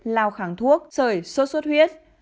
lao kháng thuốc sởi sốt suốt huyết